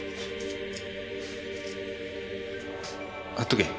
貼っとけ。